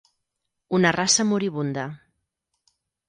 Una raça moribunda.